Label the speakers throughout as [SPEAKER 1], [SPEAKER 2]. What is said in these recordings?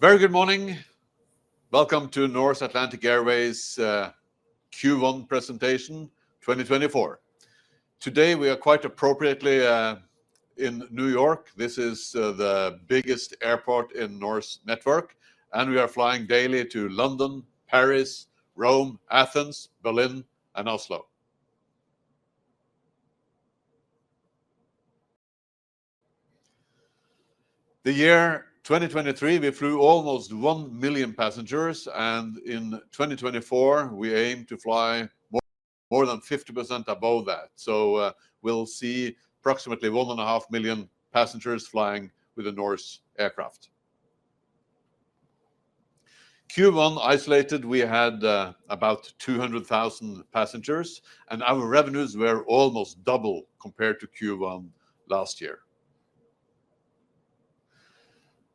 [SPEAKER 1] Very good morning. Welcome to Norse Atlantic Airways Q1 presentation 2024. Today we are quite appropriately in New York. This is the biggest airport in the Norse network, and we are flying daily to London, Paris, Rome, Athens, Berlin, and Oslo. The year 2023, we flew almost 1 million passengers, and in 2024 we aim to fly more than 50% above that. So, we'll see approximately 1.5 million passengers flying with the Norse aircraft. Q1 isolated, we had about 200,000 passengers, and our revenues were almost double compared to Q1 last year.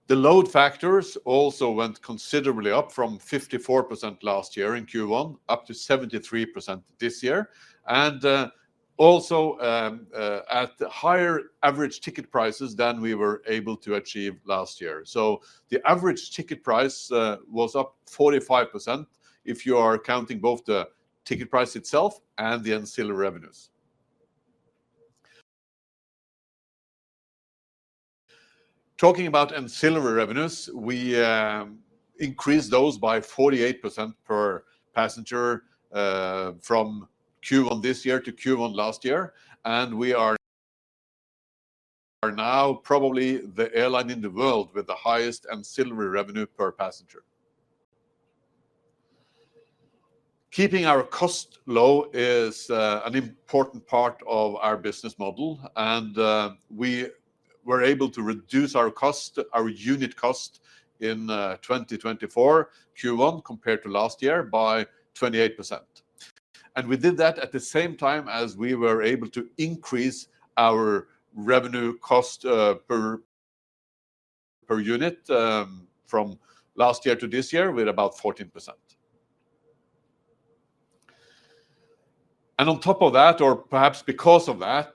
[SPEAKER 1] The load factors also went considerably up from 54% last year in Q1 up to 73% this year, and also at higher average ticket prices than we were able to achieve last year. So the average ticket price was up 45% if you are counting both the ticket price itself and the ancillary revenues. Talking about ancillary revenues, we increased those by 48% per passenger, from Q1 this year to Q1 last year, and we are now probably the airline in the world with the highest ancillary revenue per passenger. Keeping our cost low is an important part of our business model, and we were able to reduce our cost, our unit cost in 2024 Q1 compared to last year by 28%. And we did that at the same time as we were able to increase our revenue cost, per unit, from last year to this year with about 14%. And on top of that, or perhaps because of that,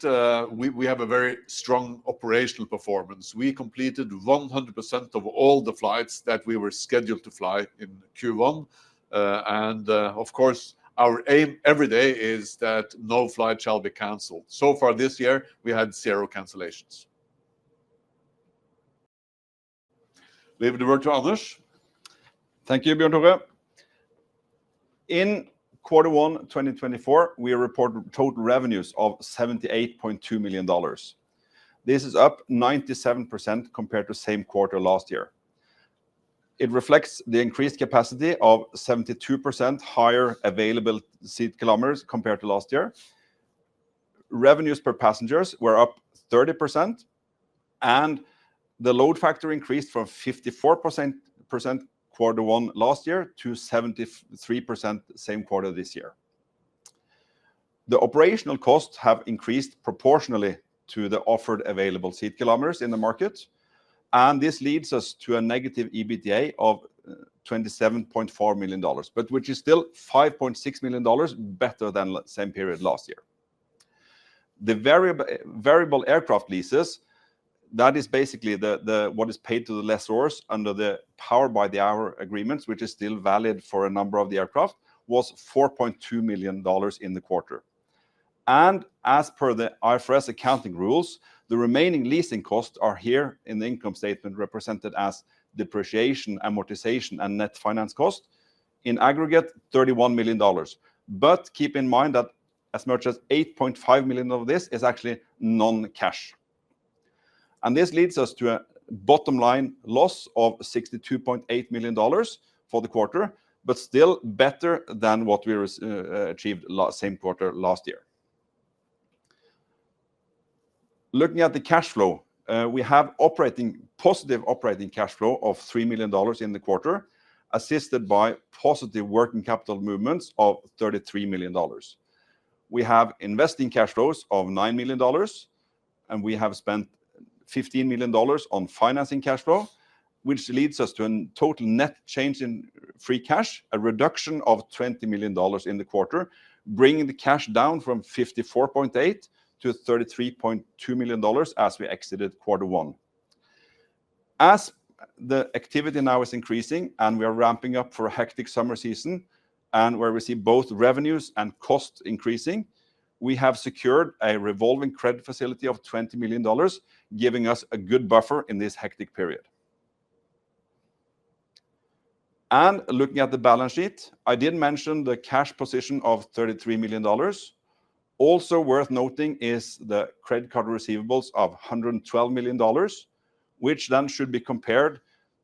[SPEAKER 1] we have a very strong operational performance. We completed 100% of all the flights that we were scheduled to fly in Q1, and of course, our aim every day is that no flight shall be canceled. So far this year, we had zero cancellations. Leave the word to Anders.
[SPEAKER 2] Thank you, Bjørn Tore. In quarter one 2024, we reported total revenues of $78.2 million. This is up 97% compared to same quarter last year. It reflects the increased capacity of 72% higher available seat kilometers compared to last year. Revenues per passengers were up 30%, and the load factor increased from 54% quarter one last year to 73% same quarter this year. The operational costs have increased proportionally to the offered available seat kilometers in the market, and this leads us to a negative EBITDA of $27.4 million, but which is still $5.6 million better than same period last year. The variable aircraft leases - that is basically the what is paid to the lessors under the power-by-the-hour agreements, which is still valid for a number of the aircraft - was $4.2 million in the quarter. As per the IFRS accounting rules, the remaining leasing costs are here in the income statement represented as depreciation, amortization, and net finance cost, in aggregate $31 million, but keep in mind that as much as $8.5 million of this is actually non-cash. This leads us to a bottom-line loss of $62.8 million for the quarter, but still better than what we achieved same quarter last year. Looking at the cash flow, we have positive operating cash flow of $3 million in the quarter, assisted by positive working capital movements of $33 million. We have investing cash flows of $9 million, and we have spent $15 million on financing cash flow, which leads us to a total net change in free cash, a reduction of $20 million in the quarter, bringing the cash down from $54.8-$33.2 million as we exited quarter one. As the activity now is increasing and we are ramping up for a hectic summer season and where we see both revenues and costs increasing, we have secured a revolving credit facility of $20 million, giving us a good buffer in this hectic period. And looking at the balance sheet, I didn't mention the cash position of $33 million. Also worth noting is the credit card receivables of $112 million, which then should be compared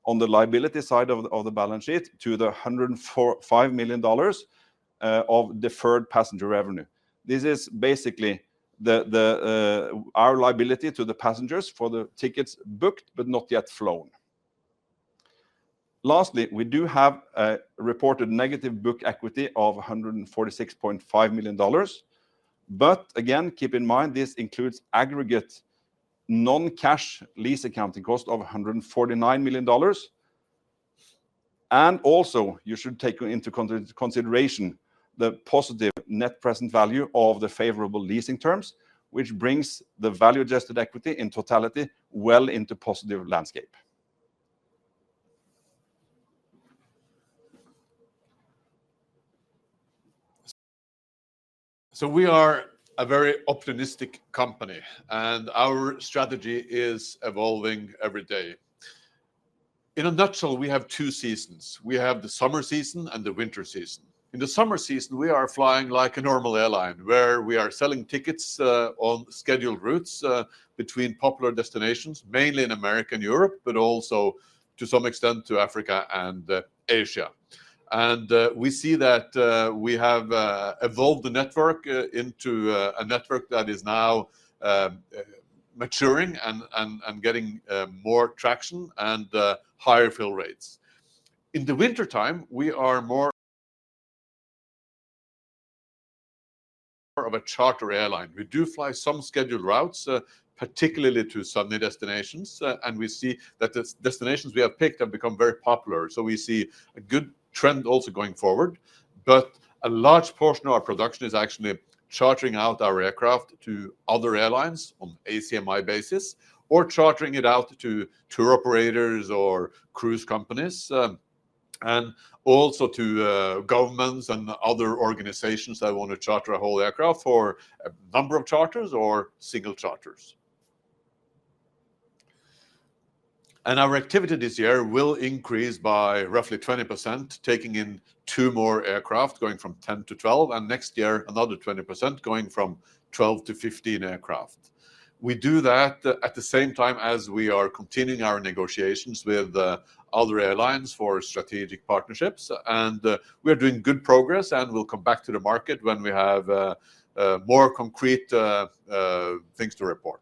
[SPEAKER 2] on the liability side of the balance sheet to the $105 million of deferred passenger revenue. This is basically our liability to the passengers for the tickets booked but not yet flown. Lastly, we do have reported negative book equity of $146.5 million, but again, keep in mind this includes aggregate non-cash lease accounting cost of $149 million. Also, you should take into consideration the positive net present value of the favorable leasing terms, which brings the value-adjusted equity in totality well into positive landscape.
[SPEAKER 1] So we are a very optimistic company, and our strategy is evolving every day. In a nutshell, we have two seasons. We have the summer season and the winter season. In the summer season, we are flying like a normal airline, where we are selling tickets on scheduled routes between popular destinations, mainly in America and Europe, but also to some extent to Africa and Asia. We see that we have evolved the network into a network that is now maturing and getting more traction and higher fill rates. In the wintertime, we are more of a charter airline. We do fly some scheduled routes, particularly to sunny destinations, and we see that the destinations we have picked have become very popular, so we see a good trend also going forward, but a large portion of our production is actually chartering out our aircraft to other airlines on ACMI basis or chartering it out to tour operators or cruise companies, and also to governments and other organizations that want to charter a whole aircraft for a number of charters or single charters. Our activity this year will increase by roughly 20%, taking in 2 more aircraft, going from 10 to 12, and next year another 20%, going from 12 to 15 aircraft. We do that at the same time as we are continuing our negotiations with other airlines for strategic partnerships, and we are doing good progress and will come back to the market when we have more concrete things to report.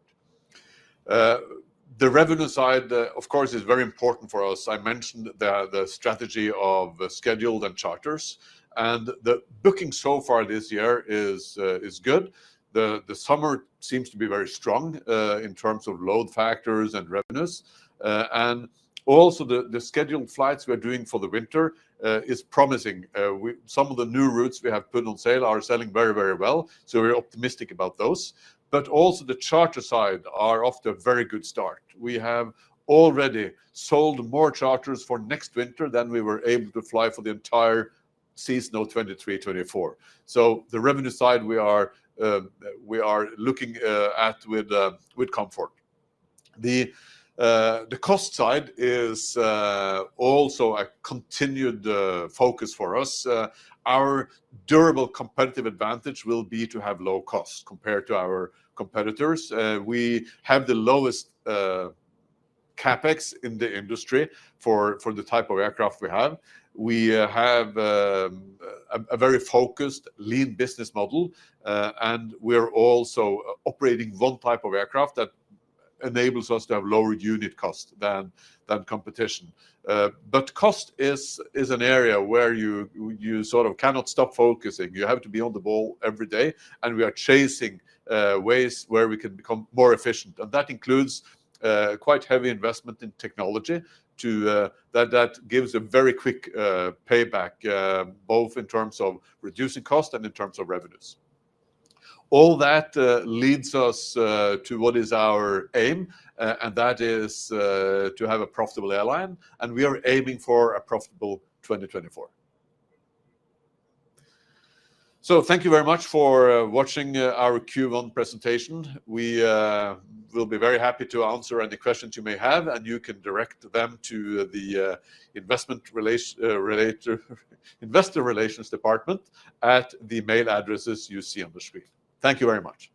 [SPEAKER 1] The revenue side, of course, is very important for us. I mentioned the strategy of scheduled and charters, and the booking so far this year is good. The summer seems to be very strong in terms of load factors and revenues, and also the scheduled flights we are doing for the winter is promising. We have some of the new routes we have put on sale are selling very, very well, so we're optimistic about those, but also the charter side are off to a very good start. We have already sold more charters for next winter than we were able to fly for the entire season of 2023-2024, so the revenue side we are looking at with comfort. The cost side is also a continued focus for us. Our durable competitive advantage will be to have low cost compared to our competitors. We have the lowest Capex in the industry for the type of aircraft we have. We have a very focused lean business model, and we are also operating one type of aircraft that enables us to have lowered unit cost than competition. But cost is an area where you sort of cannot stop focusing. You have to be on the ball every day, and we are chasing ways where we can become more efficient, and that includes quite heavy investment in technology that gives a very quick payback, both in terms of reducing cost and in terms of revenues. All that leads us to what is our aim, and that is to have a profitable airline, and we are aiming for a profitable 2024. So thank you very much for watching our Q1 presentation. We will be very happy to answer any questions you may have, and you can direct them to the investor relations department at the email addresses you see on the screen. Thank you very much.